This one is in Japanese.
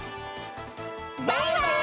バイバイ！